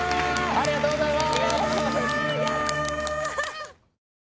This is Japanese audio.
ありがとうございます。